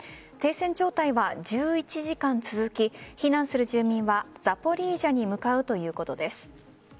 停戦状態は１１時間続き避難する住民はザポリージャに向かうということです。